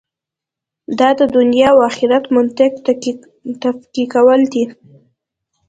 دا د دنیا او آخرت منطق تفکیکول دي.